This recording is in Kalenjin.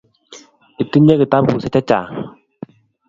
Itinye kitabushek chechang